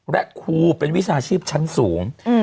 และครูเป็นวิชาชีพชั้นสูง